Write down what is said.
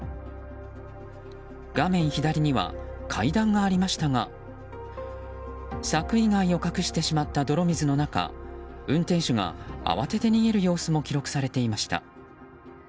画面左には階段がありましたが柵以外を隠してしまった泥水の中運転手が慌てて逃げる様子も記録されていました。